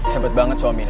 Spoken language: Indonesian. hebat banget suaminu